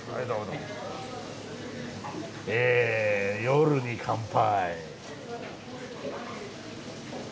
え夜に乾杯！